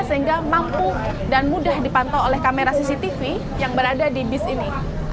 sehingga mampu dan mudah dipantau oleh kamera cctv yang berada di bis ini